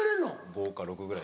５か６ぐらい。